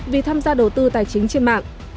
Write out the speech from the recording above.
vì tham gia đầu tư tài chính trên mạng